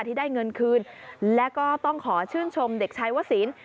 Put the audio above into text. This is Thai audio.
ที่ได้เงินคืนแล้วก็ต้องขอชื่นชมเด็กชายวศิลป์